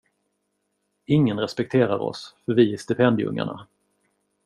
Ingen respekterar oss, för vi är stipendieungarna.